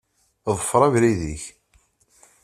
Ḍfeṛ abrid-ik.